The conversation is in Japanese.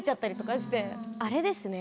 あれですね